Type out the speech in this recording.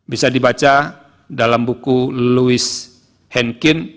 bisa dibaca dalam buku louis henkin